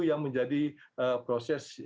yang menjadi proses